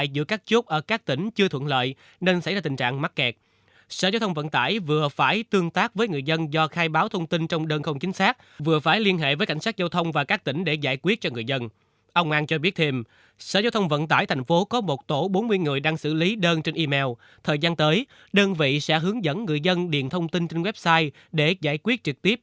đã hướng dẫn người dân điền thông tin trên website để giải quyết trực tiếp